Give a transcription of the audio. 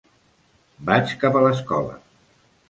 Vaig cap a l'escola.